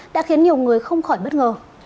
đã khiến nhiều người không khỏi bất ngờ